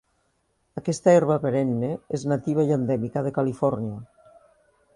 Aquesta herba perenne és nativa i endèmica de Califòrnia.